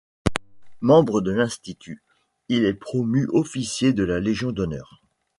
Membre de l'Institut, il est promu officier de la Légion d'honneur.